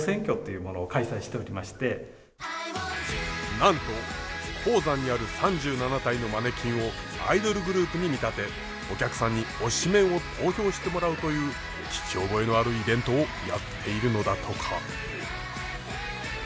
なんと鉱山にある３７体のマネキンをアイドルグループに見立てお客さんに推しメンを投票してもらうという聞き覚えのあるイベントをやっているのだとか。